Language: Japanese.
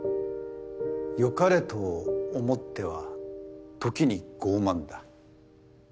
「よかれと思って」は時に傲慢だ。